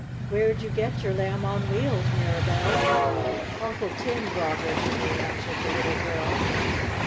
Where'd you get your Lamb on Wheels, Mirabell?" "Uncle Tim brought her to me," answered the little girl.